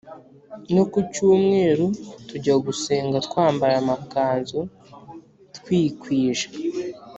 No kucyumweru tujya gusenga twambaye amakanzu twikwije